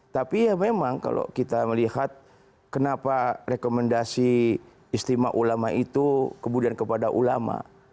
tapi ya memang kalau kita melihat kenapa rekomendasi istimewa ulama itu kemudian kepada ulama